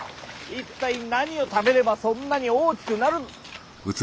一体何を食べればそんなに大きくなる。